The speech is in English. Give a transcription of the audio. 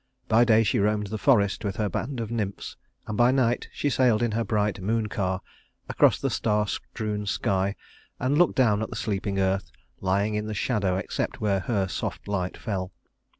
By day she roamed the forest with her band of nymphs, and by night she sailed in her bright moon car across the star strewn sky, and looked down at the sleeping earth lying in the shadow except where her soft light fell.